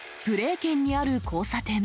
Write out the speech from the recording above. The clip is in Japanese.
県にある交差点。